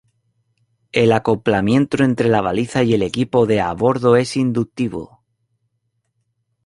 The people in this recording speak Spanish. El acoplamiento entre la baliza y el equipo de a bordo es inductivo.